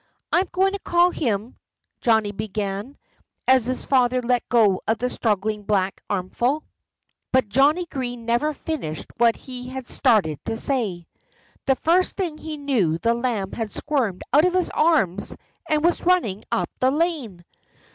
"I'm going to call him " Johnnie began, as his father let go of the struggling black armful. But Johnnie Green never finished what he had started to say. The first thing he knew the lamb had squirmed out of his arms and was running up the lane.